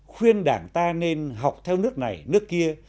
khuyên đảng ta nên học theo nước này nước kia